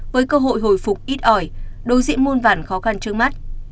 với cơ hội hồi phục ít ỏi đối diện muôn vản khó khăn trước mắt